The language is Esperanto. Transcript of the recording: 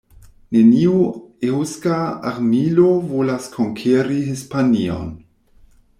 Neniu eŭska armilo volas konkeri Hispanion".